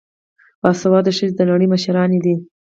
باسواده ښځې د نړۍ مشرانې دي.